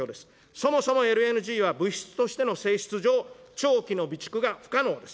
そもそもＬＮＧは物質としての性質上、長期の備蓄が不可能です。